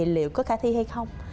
liệu có khả thi hay không